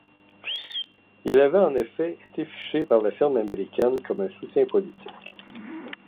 Il avait en effet été fiché par la firme américaine comme un soutien politique.